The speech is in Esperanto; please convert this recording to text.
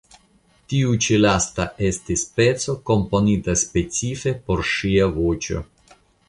Tiu ĉi lasta estis peco komponita specife por ŝia voĉo.